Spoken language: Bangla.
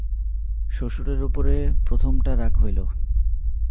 শ্বশুরের উপরে প্রথমটা রাগ হইল।